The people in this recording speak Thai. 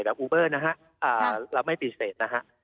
แบบอูเบอร์นะฮะเราไม่เป็นประเศษนะฮะ